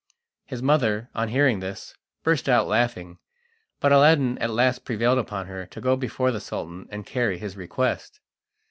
His mother, on hearing this, burst out laughing, but Aladdin at last prevailed upon her to go before the Sultan and carry his request.